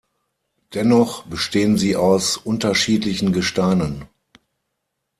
Dennoch bestehen sie aus unterschiedlichen Gesteinen.